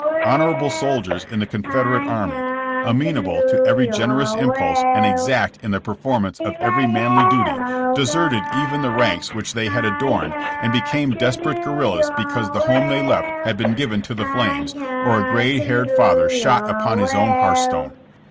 Honorable soldiers in the Confederate army —amenable to every generous impulse and exact in the performance of every manly duty— deserted even the ranks which they had adorned, and became desperate guerrillas because the home they left had been given to the flames, or a gray haired father shot upon his own hearth stone.